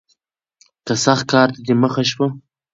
که سخت کار ته دې مخه شوه